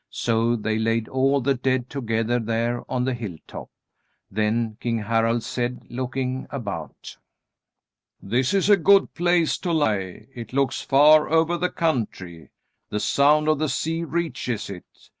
So they laid all the dead together there on the hill top. Then King Harald said, looking about: "This is a good place to lie. It looks far over the country. The sound of the sea reaches it.